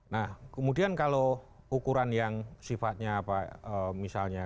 nah kemudian kalau ukuran yang sifatnya apa misalnya